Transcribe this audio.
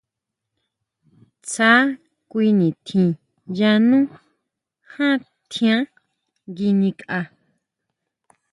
Tsá kui nitjín yanú jan tjián nguinikʼa.